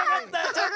ちょっと！